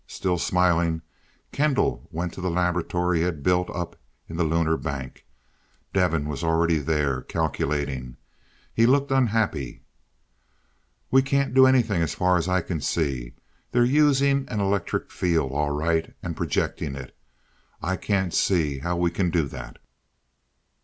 Still smiling, Kendall went to the laboratory he had built up in the "Lunar Bank." Devin was already there, calculating. He looked unhappy. "We can't do anything, as far as I can see. They're using an electric field all right, and projecting it. I can't see how we can do that."